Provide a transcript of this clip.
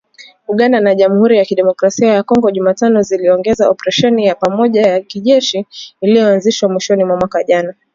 Uganda na Jamhuri ya Kidemokrasi ya Kongo, Jumatano ziliongeza operesheni ya pamoja ya kijeshi iliyoanzishwa mwishoni mwa mwaka jana